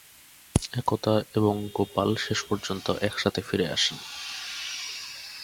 একতা এবং গোপাল শেষ পর্যন্ত এক সাথে ফিরে আসেন।